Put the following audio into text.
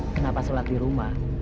kenapa sholat di rumah